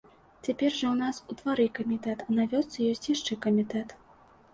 Цяпер жа ў нас у двары камітэт, а на вёсцы ёсць яшчэ камітэт.